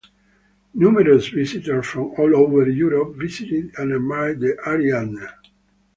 Numerous visitors from all over Europe visited and admired the Ariadne.